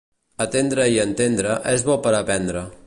Atendre i entendre és bo per a aprendre.